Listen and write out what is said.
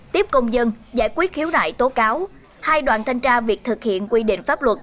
tiếp công dân giải quyết khiếu nại tố cáo hai đoàn thanh tra việc thực hiện quy định pháp luật